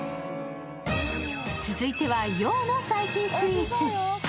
続いては洋の最新スイーツ。